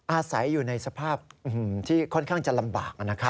อาศัยอยู่ในสภาพที่ค่อนข้างจะลำบากนะครับ